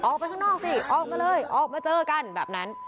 ออกไปข้างนอกสิออกมาเลยออกมาเจอกันแบบนั้น